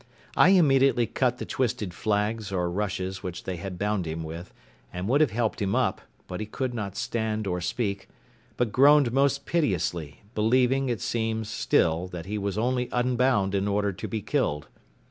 I immediately cut the twisted flags or rushes which they had bound him with, and would have helped him up; but he could not stand or speak, but groaned most piteously, believing, it seems, still, that he was only unbound in order to be killed.